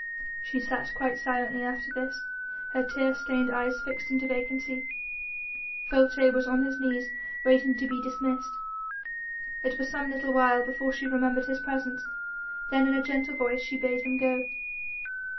She sat quite silently after this, her tear stained eyes fixed into vacancy. Folces was on his knees waiting to be dismissed. It was some little while before she remembered his presence, then in a gentle voice she bade him go.